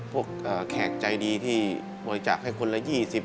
พวกแขกใจดีที่ธวลิจักษ์ให้คนละ๒๐๓๐